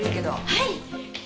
はい。